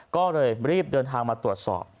ก็เลยรีบเดินทางมาตรวจสอบ